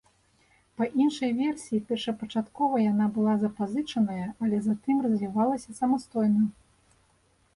Па іншай версіі першапачаткова яна была запазычаная, але затым развівалася самастойна.